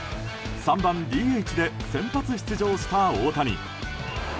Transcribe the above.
３番ＤＨで先発出場した大谷。